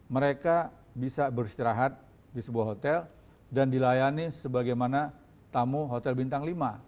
mereka bisa beristirahat di sebuah hotel dan dilayani sebagaimana tamu hotel bintang lima